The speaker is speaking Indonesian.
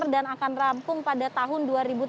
dan akan rampung pada tahun dua ribu tiga puluh